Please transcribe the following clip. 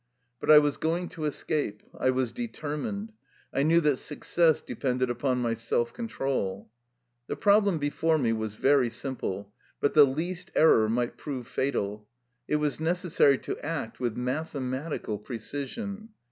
But I was going to escape; I was determined. I knew that suc cess depended upon my self control. The prob lem before me was very simple, but the least error might prove fatal. It was necessary to act with mathematical precision.